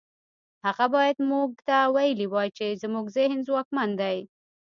هغه بايد موږ ته ويلي وای چې زموږ ذهن ځواکمن دی.